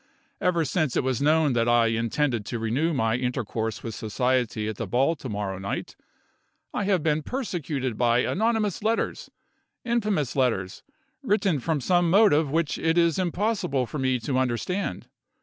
Ever since it was known that I intended to renew my intercourse with society at the ball to morrow night, I have been persecuted by anonymous letters infamous letters, written from some motive which it is impossible for me to understand.